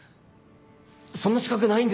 そんな資格ないんですよ